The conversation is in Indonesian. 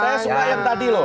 saya semua yang tadi loh